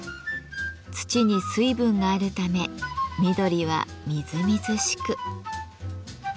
土に水分があるため緑はみずみずしく。